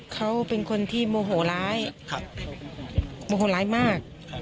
เขาเป็นคนที่โมโหร้ายโมโหร้ายมาก